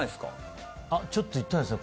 ちょっと痛いですね。